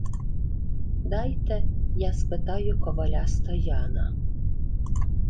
— Дайте, я спитаю коваля Стояна.